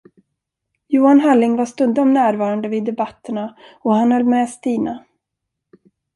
Johan Halling var stundom närvarande vid debatterna och han höll med Stina.